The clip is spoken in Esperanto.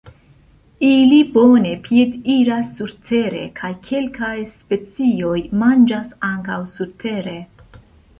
Ili bone piediras surtere, kaj kelkaj specioj manĝas ankaŭ surtere.